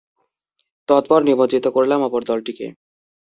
তৎপর নিমজ্জিত করলাম অপর দলটিকে।